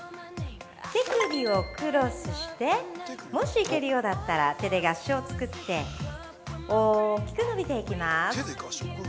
手首をクロスしてもし行けるようだったら手で合掌を作って大きく伸びていきます。